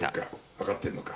わかってるのか。